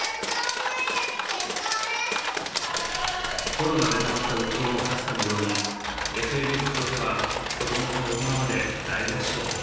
コロナでたまった鬱憤を晴らすかのようにＳＮＳ上では子供から大人まで大合唱。